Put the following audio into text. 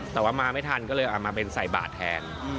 แต่ว่ามาไม่ทันก็เลยเอามาเป็นใส่บาทแทน